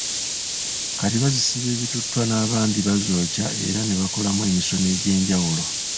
Kati bazisiba ebituttwa n'abandi bazokya era ne bakolamu emisono egy'enjwulo.